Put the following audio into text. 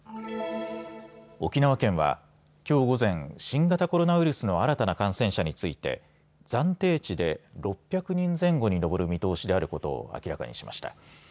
沖縄県はきょう午前、新型コロナウイルスの新たな感染者について暫定値で６００人前後に上る見通しであることを明らかにしました。